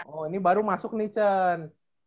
oh ini baru masuk nih chen